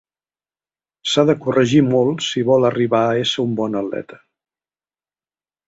S'ha de corregir molt, si vol arribar a ésser un bon atleta.